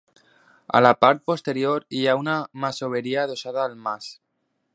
A la part posterior hi ha una masoveria adossada al mas.